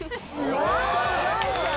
すごいじゃん。